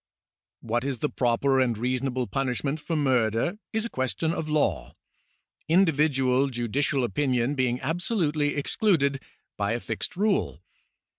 What is the proper and reasonable punishment for murder is a question of law, individual judicial opinion being absolutely excluded by a fixed rule.